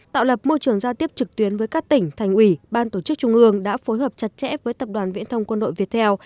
tạo lập môi trường giao tiếp trực tuyến với các tỉnh thành ủy ban tổ chức trung ương đã phối hợp chặt chẽ với tập đoàn viễn thông quân đội việt theo